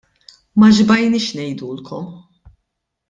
Ma xbajniex ngħidulkom!